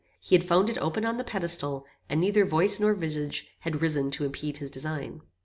He had found it open on the pedestal; and neither voice nor visage had risen to impede his design.